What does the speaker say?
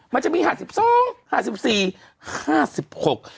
มันจะมีห้าสิบสองห้าสิบสี่ห้าสิบหก